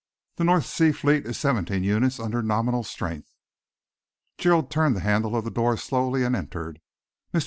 The North Sea Fleet is seventeen units under nominal strength." Gerald turned the handle of the door slowly and entered. Mr.